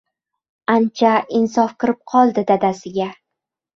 — Ancha insof kirib qoldi dadasiga.